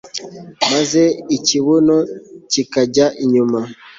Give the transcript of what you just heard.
maze ikibuno kikajya inyuma